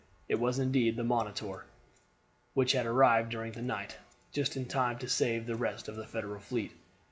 It was indeed the Monitor, which had arrived during the night, just in time to save the rest of the Federal fleet.